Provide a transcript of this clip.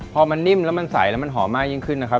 พอมันนิ่มแล้วมันใสแล้วมันหอมมากยิ่งขึ้นนะครับ